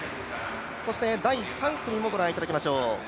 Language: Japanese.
第３組もご覧いただきましょう。